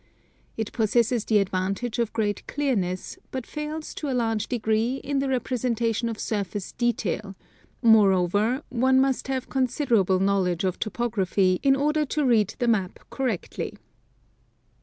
It pos sesses the advantage of great clearness, but fails to a large degree in the representation of surface detail; moreover, one must have considerable knowledge of topography, in order to read the map correctly.